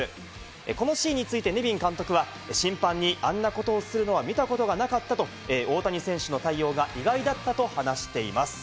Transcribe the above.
このシーンについてネビン監督は審判にあんなことをするのは見たことがなかったと、大谷選手の対応が意外だったと話しています。